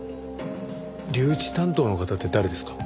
留置担当の方って誰ですか？